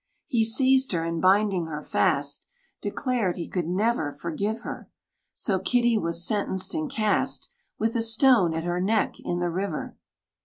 He seized her, and binding her fast. Declared he could never forgive her; So Kitty was sentenced and cast, With a stone at her neck, in the river!